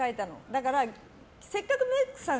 だから、せっかくメイクさん